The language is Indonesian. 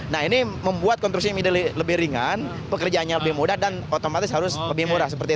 nah ini membuat konstruksi lebih ringan pekerjaannya lebih mudah dan otomatis harus lebih murah